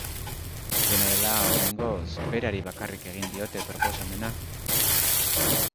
Dena dela, oraingoz, berari bakarrik egin diote proposamena.